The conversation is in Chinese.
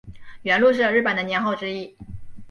元禄是日本的年号之一。